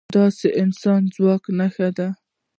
دا د انسان د ځواک نښه ده.